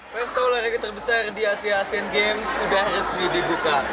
pesta olahraga terbesar di asia asean games sudah resmi dibuka